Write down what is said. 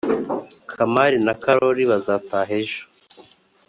kamari na kalori bazataha ejo